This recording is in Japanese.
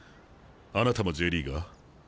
あなたもＪリーガー？